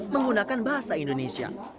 menggunakan bahasa indonesia